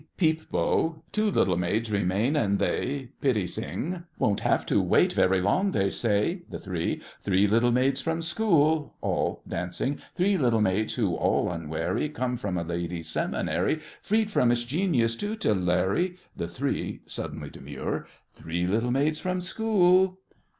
PEEP BO. Two little maids remain, and they— PITTI SING. Won't have to wait very long, they say— THE THREE. Three little maids from school! ALL (dancing). Three little maids who, all unwary, Come from a ladies' seminary, Freed from its genius tutelary— THE THREE (suddenly demure). Three little maids from school!